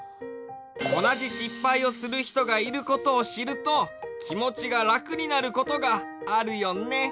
おなじしっぱいをするひとがいることをしるときもちがらくになることがあるよね。